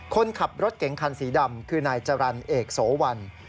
คนขับรถเก๋งคันสีดำคือนายจรรย์เอกโสวัน